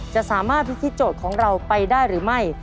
จะสามารถพิธีโจทย์ของเราไปได้หรือไม่